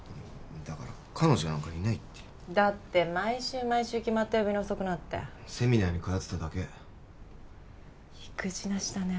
だから彼女なんかいないってだって毎週毎週決まった曜日に遅くなってセミナーに通ってただけ意気地なしだね